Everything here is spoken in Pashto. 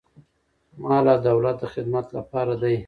مال او دولت د خدمت لپاره دی.